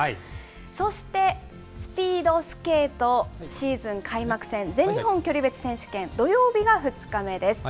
そして、スピードスケート、シーズン開幕戦、全日本距離別選手権、土曜日が２日目です。